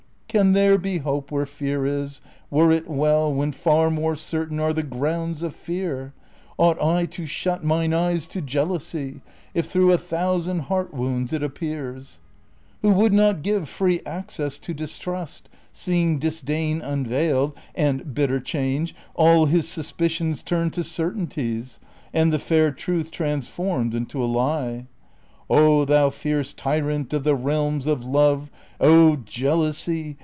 Can there be hope where fear is ? Were it well, When far more certain are the grounds of fear ? Ought I to shut mine eyes to jealousy, If through a thousand lieart wounds it appears ? AVho would not give free access to distrust, Seeing disdain unveiled, and — bitter change !— All his suspicions turned to certainties. And the fair truth transformed into a lie ? Oh, thou fierce tyrant of the realms of love Oh, Jealousy